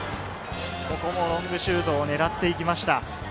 ここもロングシュートを狙っていきました。